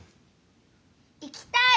行きたい！